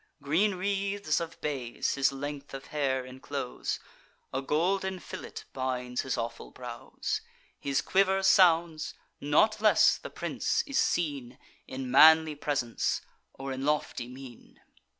Green wreaths of bays his length of hair inclose; A golden fillet binds his awful brows; His quiver sounds: not less the prince is seen In manly presence, or in lofty mien.